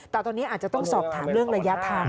แต่ตอนนี้อาจจะต้องสอบถามเรื่องระยะทาง